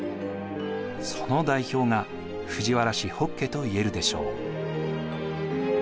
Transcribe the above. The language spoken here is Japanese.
その代表が藤原氏北家といえるでしょう。